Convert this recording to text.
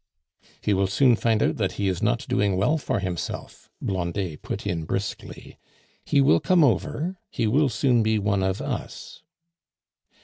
"He will soon find out that he is not doing well for himself," Blondet put in briskly. "He will come over; he will soon be one of us."